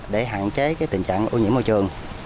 để hạn chế tình trạng ô nhiễm môi trường